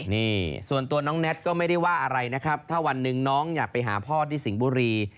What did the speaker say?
นี่ส่วนตัวน้องแน็ตก็ไม่ได้ว่าอะไรนะครับถ้าวันหนึ่งน้องอยากไปหาพ่อที่สิงห์บุรี